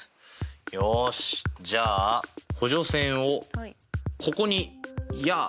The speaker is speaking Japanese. よしじゃあ補助線をここにや！